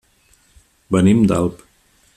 Venim d'Alp.